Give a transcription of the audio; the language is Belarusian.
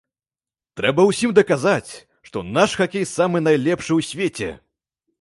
Трэба ўсім даказаць, што наш хакей самы найлепшы ў свеце.